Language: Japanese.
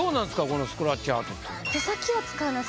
このスクラッチアートって。